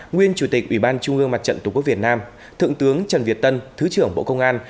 nguyên chủ tịch ủy ban trung ương mặt trận tổ quốc việt nam thượng tướng trần việt tân thứ trưởng bộ công an